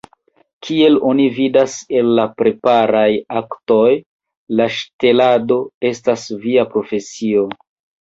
Kiel oni vidas el la preparaj aktoj, la ŝtelado estas via profesio!